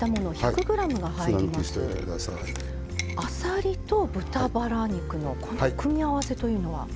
あさりと豚ばら肉のこの組み合わせというのは？